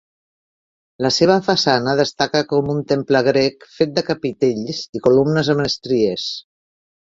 La seva façana destaca com un temple grec fet de capitells i columnes amb estries.